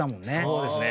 そうですね。